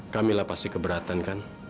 kamilah pasti keberaniannya